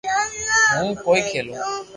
ھون ڪوئي کيلو